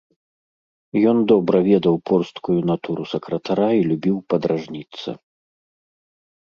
Ён добра ведаў порсткую натуру сакратара й любіў падражніцца.